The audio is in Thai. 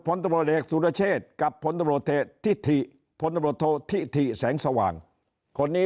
พตเอกสุรเชษกับพตที่ที่พตที่ที่แสงสว่างคนนี้